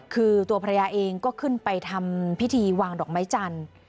คือตัวภรรยาเองก็ขึ้นไปทำพิธีวางดอกไม้จันทร์